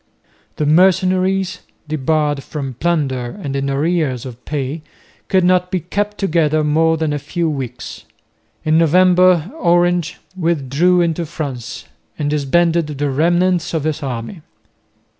The mercenaries, debarred from plunder and in arrears of pay, could not be kept together more than a few weeks. In November Orange withdrew into France and disbanded the remnants of his army.